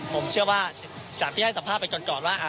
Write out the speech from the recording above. ผมเชื่อว่าจากที่ให้สัมภาษณ์ไปก่อนว่า